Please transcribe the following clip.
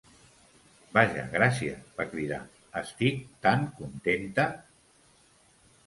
Vaja, gràcies!, va cridar. Estic tant contenta!